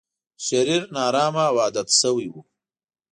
شرير، نا ارامه او عادت شوی و.